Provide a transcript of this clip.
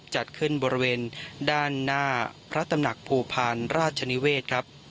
จัดขึ้นบริเวณด้านหน้าพระตำหนักภูพาลราชนิเวศครับ